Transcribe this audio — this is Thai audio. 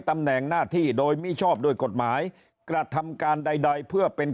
ตำแหน่งหน้าที่โดยมิชอบด้วยกฎหมายกระทำการใดใดเพื่อเป็น